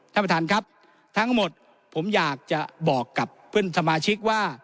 ท่านประธานครับทั้งหมดผมอยากจะบอกกับเพื่อนสมาชิกว่า